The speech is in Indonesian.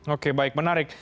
oke baik menarik